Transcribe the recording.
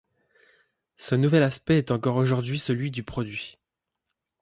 Ce nouvel aspect est encore aujourd'hui celui du produit.